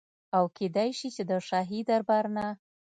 او کيدی شي چي د شاهي دربار نه